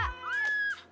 ayo keluar keluar